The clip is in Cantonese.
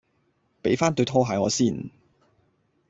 俾番對拖鞋我先